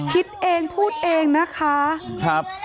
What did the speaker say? คิดเองพูดเองนะคะ